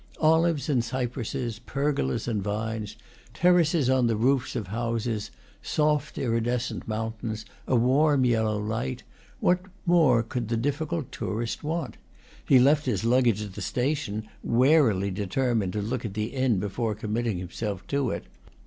Olives and cypresses, pergolas and vines, terraces on the roofs of houses, soft, iridescent moun tains, a warm yellow light, what more could the dif ficult tourist want? He left his luggage at the station, warily determined to look at the inn before committing himself to it.